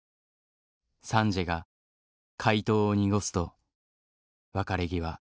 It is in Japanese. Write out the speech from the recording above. サンジエが回答を濁すと別れ際